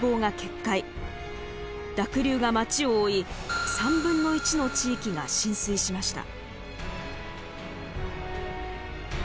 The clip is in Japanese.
濁流が街を覆い３分の１の地域が浸水しました。